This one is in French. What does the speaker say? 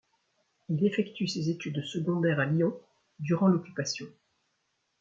Il effectue ses études secondaires à Lyon durant l'Occupation.